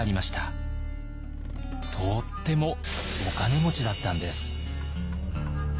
とってもお金持ちだったんです。